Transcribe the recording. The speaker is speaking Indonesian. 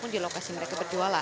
di lokasi mereka berjualan